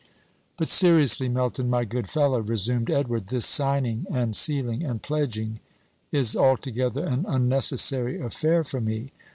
"But, seriously, Melton, my good fellow," resumed Edward, "this signing, and sealing, and pledging is altogether an unnecessary affair for me.